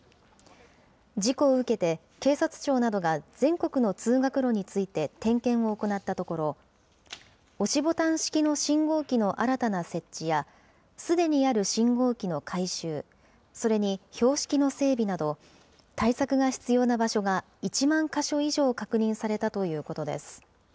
事故を受けて、警察庁などが全国の通学路について点検を行ったところ、押しボタン式の信号機の新たな設置や、すでにある信号機の改修、それに標識の整備など、対策が必要な場所が１万か所以上確認されたということです。